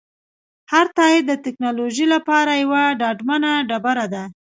هر تایید د ټکنالوژۍ لپاره یوه ډاډمنه ډبره ده.